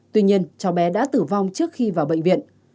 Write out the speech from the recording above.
tuy nhiên cháu bé đã tử vong trước khi vào bệnh viện